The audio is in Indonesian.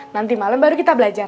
nanti malam baru kita belajar